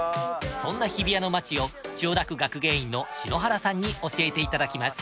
そんな日比谷の街を千代田区学芸員の篠原さんに教えていただきます。